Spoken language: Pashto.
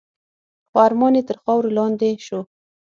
خو ارمان یې تر خاورو لاندي شو .